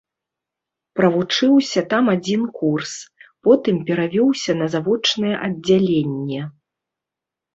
Правучыўся там адзін курс, потым перавёўся на завочнае аддзяленне.